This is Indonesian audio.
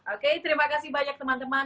oke terima kasih banyak teman teman